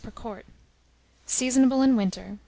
per quart. Seasonable in winter.